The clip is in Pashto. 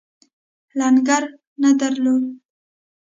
لنګر نه درلود.